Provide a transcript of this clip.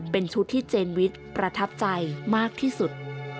เป็นชุดที่เจนวิทย์ประทับใจมากที่สุด